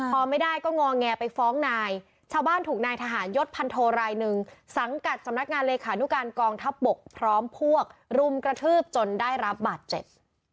พอไม่ได้ก็งอแงไปฟ้องนายชาวบ้านถูกนายทหารยศพันโทรายหนึ่งสังกัดสำนักงานเลขานุการกองทัพบกพร้อมพวกรุมกระทืบจนได้รับบาดเจ็บ